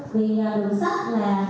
vì đường sách là